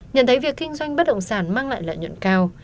nhận thấy việc kinh doanh bất động sản mang lại lợi nhuận cao